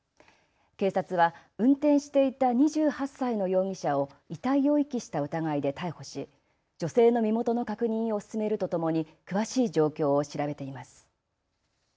警察は運転していた２８歳の容疑者を遺体を遺棄した疑いで逮捕し、女性の身元の確認を進めるとともに詳しい状況を調べています。